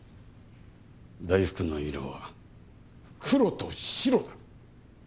大福の色は黒と白だ。